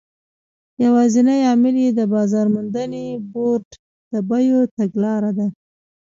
یوازینی عامل یې د بازار موندنې بورډ د بیو تګلاره ده.